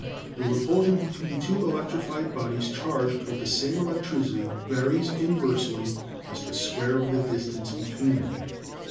The repulsion between two electrified bodies charged with the same electricity varies inversely as the square of the distance between them.